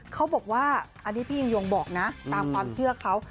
เขาบอกว่าอันนี้พี่ยิ่งยงบอกนะตามความเชื่อเขา